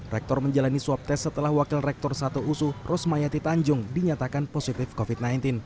rektor menjalani swab tes setelah wakil rektor satu usu rosmayati tanjung dinyatakan positif covid sembilan belas